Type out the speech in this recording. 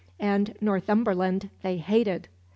And Northumberland they hated.